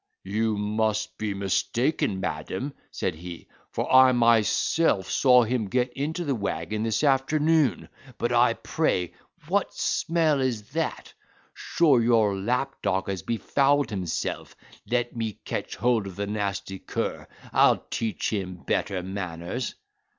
"You must be mistaken, madam," said he, "for I myself saw him get into the waggon this afternoon. But pray what smell is that? Sure your lapdog has befouled himself; let me catch hold of the nasty cur, I'll teach him better manners."